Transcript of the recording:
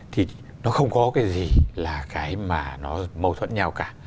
thì nó không có cái gì là cái mà nó mâu thuẫn nhau cả